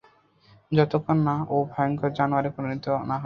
যতক্ষণ না ও ভয়ংকর জানোয়ারে পরিণত নাহয়।